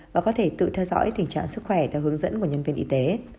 và có thể tự theo dõi tình trạng sức khỏe theo hướng dẫn của nhân viên y tế